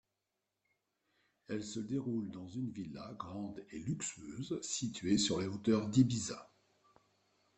Elle se déroule dans une villa grande et luxueuse située sur les hauteurs d’Ibiza.